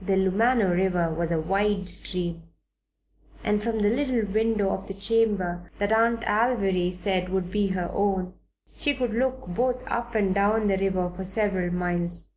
The Lumano River was a wide stream and from the little window of the chamber that Aunt Alviry said would be her own, she could look both up and down the river for several miles.